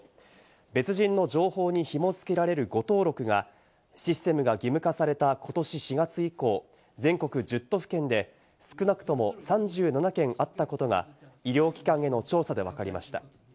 別人の情報にひも付けられる誤登録がシステムが義務化されたことし４月以降、全国１０都府県で少なくとも３７件あったことが医療機関への調査でわかりました。